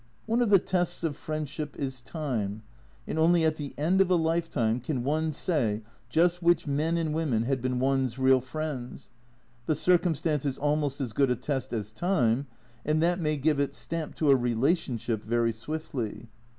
One of the tests of friendship is time, and only at the end of a lifetime can one say just which men and women had been one's real friends, but circumstance is almost as good a test as time, and that may give its stamp to a relationship very swiftly.